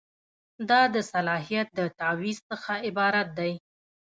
دا د صلاحیت د تعویض څخه عبارت دی.